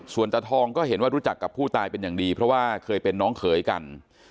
ส่วนตาทองก็เห็นว่ารู้จักกับผู้ตายเป็นอย่างดีเพราะว่าเคยเป็นน้องเขยกัน